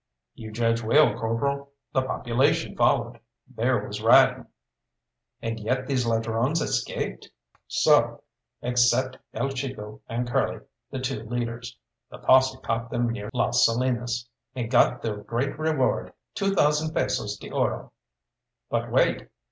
"You judge well, corporal the population followed. There was riding!" "And yet these ladrones escaped?" "So, except El Chico and Curly, the two leaders. The posse caught them near Las Salinas." "And got the great reward two thousand pesos d'oro!" "But wait.